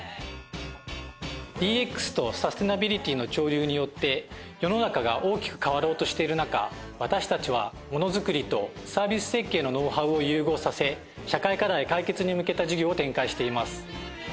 ＤＸとサステイナビリティーの潮流によって世の中が大きく変わろうとしているなか私たちはもの作りとサービス設計のノウハウを融合させ社会課題解決に向けた事業を展開しています。